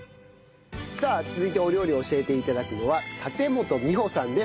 さあ続いてお料理を教えて頂くのは建元美穂さんです。